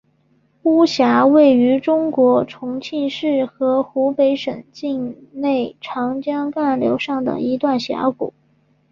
巫峡位于中国重庆市和湖北省境内长江干流上的一段峡谷。